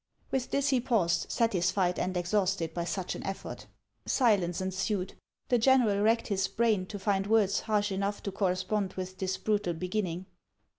With this he paused, satisfied and exhausted by such an effort. HAXS OF ICELAND. 263 Silence ensued. The general racked his brain to find words harsh enough to correspond with this brutal beginning.